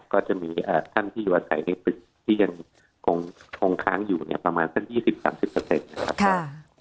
ก็จะมีท่านที่อยู่อาศัยในตึกที่ยังคงค้างอยู่ประมาณสัก๒๐๓๐นะครับ